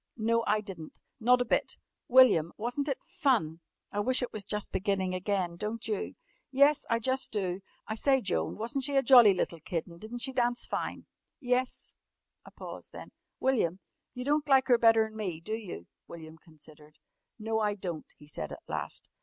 "No, I di'n't. Not a bit!" "William, wasn't it fun? I wish it was just beginning again, don't you?" "Yes, I jus' do. I say, Joan, wasn't she a jolly little kid and di'n't she dance fine?" "Yes," a pause then, "William, you don't like her better'n me, do you?" William considered. "No, I don't," he said at last.